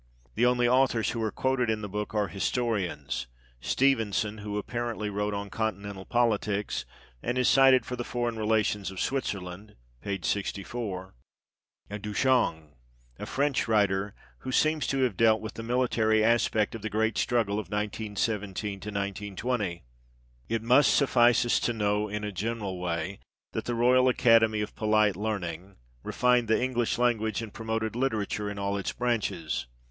The only authors who are quoted in the book are historians Stephenson, who apparently wrote on Continental politics, and is cited for the foreign relations of Switzerland (p. 64), and Du Chanq, a French writer, who seems to have dealt with the military aspect of the great struggle of 1917 20. It must suffice us to know, in a general way, that the " Royal Academy of Polite Learning" "refined the English language, and promoted literature in all its branches.